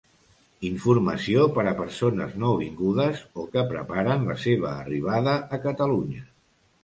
Informació per a persones nouvingudes o que preparen la seva arribada a Catalunya.